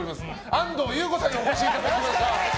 安藤優子さんにお越しいただきました。